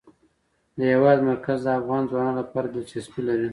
د هېواد مرکز د افغان ځوانانو لپاره دلچسپي لري.